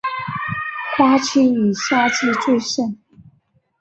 花期以夏季最盛。